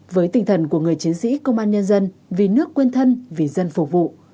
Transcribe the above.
với tinh thần của người chiến sĩ công an nhân dân vì nước quên thân vì dân phục vụ